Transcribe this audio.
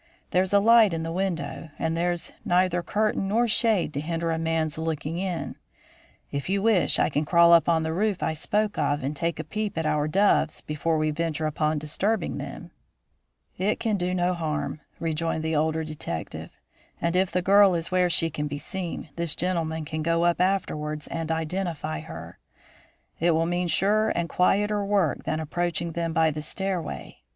There's a light in the window and there's neither curtain nor shade to hinder a man's looking in. If you wish, I can crawl up on the roof I spoke of and take a peep at our doves before we venture upon disturbing them." "It can do no harm," rejoined the older detective; "and if the girl is where she can be seen, this gentleman can go up afterwards and identify her. It will mean surer and quieter work than approaching them by the stairway.